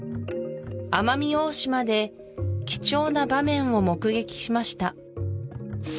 奄美大島で貴重な場面を目撃しました